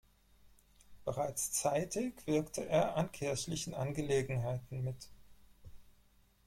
Bereits zeitig wirkte er an kirchlichen Angelegenheiten mit.